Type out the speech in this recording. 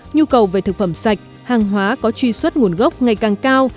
nhu cầu về thực phẩm sạch hàng hóa có truy xuất nguồn gốc ngày càng cao